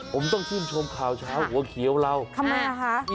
ผมต้องชื่นชมข่าวเช้าหัวเขียวเราทำไมอ่ะคะ